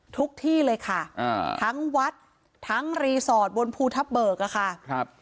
ที่เลยค่ะอ่าทั้งวัดทั้งรีสอร์ทบนภูทับเบิกอะค่ะครับ